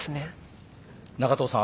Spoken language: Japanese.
長藤さん